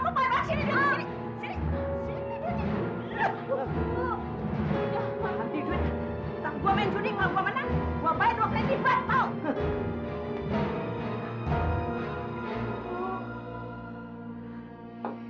gue main dua kali dibatal